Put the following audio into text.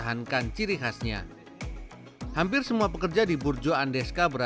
harian harus obrol diem bubur